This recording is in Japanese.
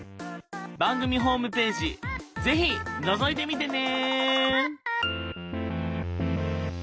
番組ホームページ是非のぞいてみてね！